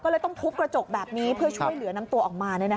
เลยถูกกระจกแบบนี้เพื่อช่วยเหลือน้ำตัวออกมา